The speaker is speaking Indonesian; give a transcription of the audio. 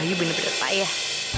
bayu bener bener payah